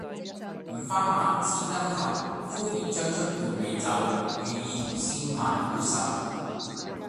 五花馬，千金裘，呼兒將出換美酒，與爾同銷萬古愁